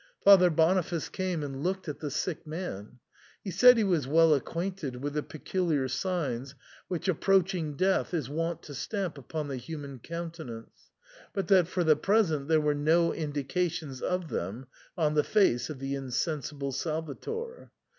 Father Boniface came and looked at the sick man ; he said he was well acquainted with the peculiar signs which approaching death is wont to stamp upon the hu man countenance, but that for the present there were no indications of them on the face of the insensible Salvator.